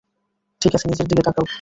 ঠিক আছে, নিজের দিকে তাকাও।